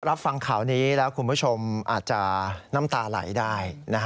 รับฟังข่าวนี้แล้วคุณผู้ชมอาจจะน้ำตาไหลได้